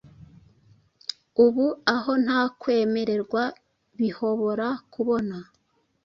Ubua, aho nta kwemerwa bihobora kubona,